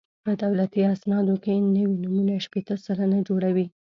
په دولتي اسنادو کې نوي نومونه شپېته سلنه جوړوي